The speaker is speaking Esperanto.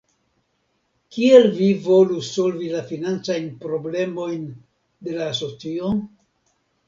Kiel vi volus solvi la financajn problemojn de la asocio?